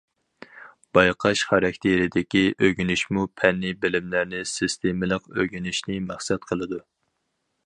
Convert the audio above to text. بايقاش خاراكتېرىدىكى ئۆگىنىشمۇ پەننىي بىلىملەرنى سىستېمىلىق ئۆگىنىشنى مەقسەت قىلىدۇ.